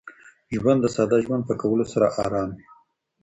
ژوند د ساده ژوند په کولو سره ارام وي.